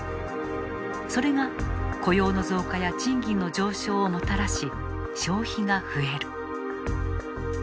それが雇用の増加や賃金の上昇をもたらし消費が増える。